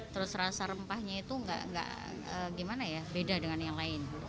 terus rasa rempahnya itu nggak gimana ya beda dengan yang lain